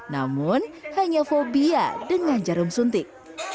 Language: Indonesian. namun hanya fobia dengan jarum suntik